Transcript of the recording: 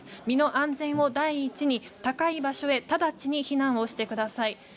身の安全を第一に高い場所へ、ただちに避難をしてください。